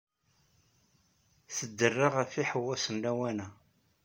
Tderreɛ ɣef iḥewwasen lawan-a.